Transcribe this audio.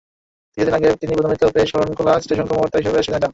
কিছু দিন আগে তিনি পদোন্নতি পেয়ে শরণখোলা স্টেশন কর্মকর্তা হিসেবে সেখানে যান।